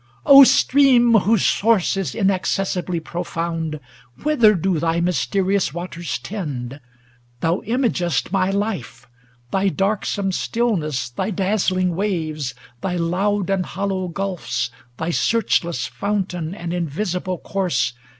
ŌĆö ' O stream ! Whose source is inaccessibly profound, Whither do thy mysterious waters tend ? Thou imagest my life. Thy darksome still ness. Thy dazzling waves, thy loud and hollow gulfs, Thy searchless fountain and invisible course.